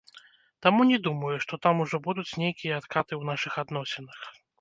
Таму не думаю, што там ужо будуць нейкія адкаты ў нашых адносінах.